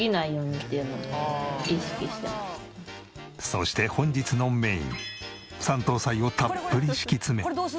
そして本日のメイン山東菜をたっぷり敷き詰め。